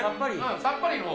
さっぱり、もう。